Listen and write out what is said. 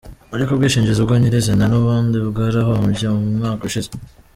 Ariko ubwishingizi bwo nyir’izina n’ubundi bwarahombye mu mwaka ushize.”